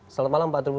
selamat malam pak trubus